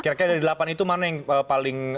kira kira dari delapan itu mana yang paling